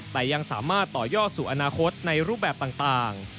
แต่ยังสามารถต่อยอดสู่อนาคตในรูปแบบต่าง